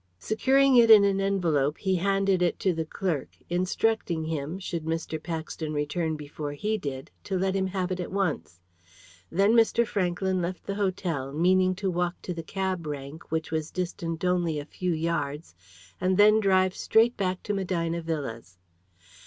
Securing it in an envelope, he handed it to the clerk, instructing him, should Mr. Paxton return before he did, to let him have it at once. Then Mr. Franklyn left the hotel, meaning to walk to the cab rank, which was distant only a few yards, and then drive straight back to Medina Villas.